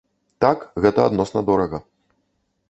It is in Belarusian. Так, гэта адносна дорага.